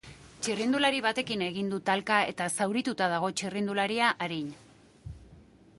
Txirrindulari batekin egin du talka, eta zaurituta dago txirrindularia, arin.